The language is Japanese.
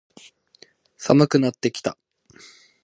寒くなってきた。